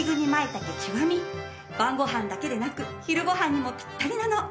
晩ご飯だけでなく昼ご飯にもピッタリなの。